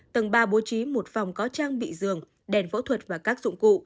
tầng ba bố trí một phòng có trang bị giường đèn phẫu thuật và các dụng cụ